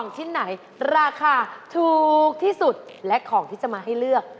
ชิ้นไหนราคาถูกที่สุดและของที่จะมาให้เลือก